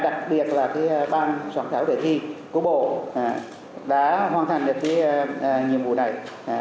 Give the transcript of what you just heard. đặc biệt là ban soạn thảo đề thi của bộ đã hoàn thành đề thi nhiệm vụ này